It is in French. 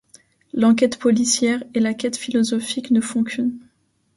L'enquête policière et la quête philosophique ne font qu'une.